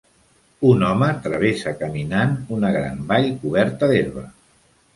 Un home travessa caminant una gran vall coberta d'herba